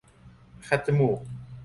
คัดจมูก